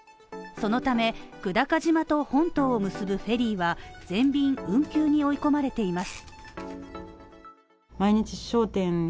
そのため、久高島と本島を結ぶフェリーは全便運休に追い込まれています。